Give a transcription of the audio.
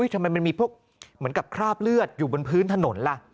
ทำไมมันมีพวกเหมือนกับคราบเลือดอยู่บนพื้นถนนล่ะ